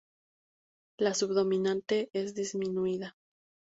La subdominante es disminuida.